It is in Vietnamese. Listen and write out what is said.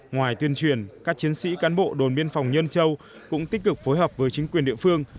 ngoài tuyên truyền các chiến sĩ cán bộ đồn biên phòng nhân châu cũng tích cực phối hợp với chính quyền địa phương